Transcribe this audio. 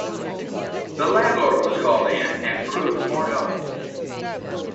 The landlord was called in, and proved more helpful.